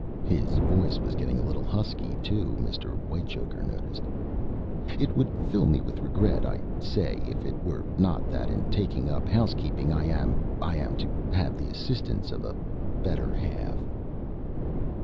His voice was getting a little husky too, Mr. Whitechoker noticed. "It would fill me with regret, I say, if it were not that in taking up house keeping I am I am to have the assistance of a better half."